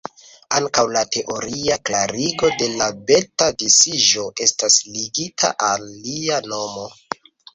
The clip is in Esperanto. Ankaŭ la teoria klarigo de la beta-disiĝo estas ligita al lia nomo.